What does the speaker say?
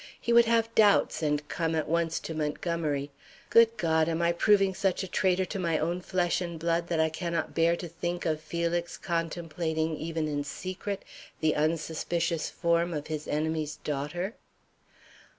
He would have doubts and come at once to Montgomery. Good God! Am I proving such a traitor to my own flesh and blood that I cannot bear to think of Felix contemplating even in secret the unsuspicious form of his enemy's daughter?